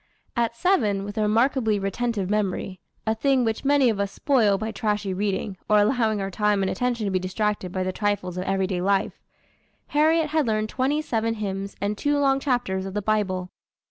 At seven, with a remarkably retentive memory, a thing which many of us spoil by trashy reading, or allowing our time and attention to be distracted by the trifles of every day life, Harriet had learned twenty seven hymns and two long chapters of the Bible.